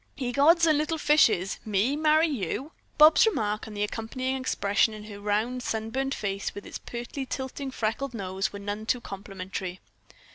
"Ye gods and little fishes! Me marry you?" Bobs' remark and the accompanying expression in her round, sunburned face, with its pertly tilting freckled nose, were none too complimentary.